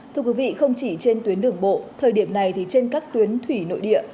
thưa quý vị không chỉ trên tuyến đường bộ thời điểm này thì trên các tuyến thủy nội địa